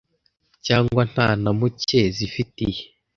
cyangwa nta na mucye zifitiye